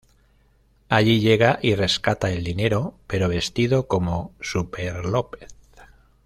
Allí llega y rescata el dinero, pero vestido como Superlópez.